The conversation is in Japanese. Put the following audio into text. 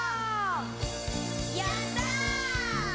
「やった」